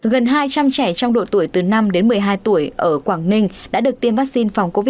gần hai trăm linh trẻ trong độ tuổi từ năm đến một mươi hai tuổi ở quảng ninh đã được tiêm vaccine phòng covid một mươi chín